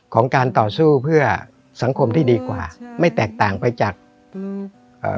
การต่อสู้เพื่อสังคมที่ดีกว่าอืมไม่แตกต่างไปจากอืมเอ่อ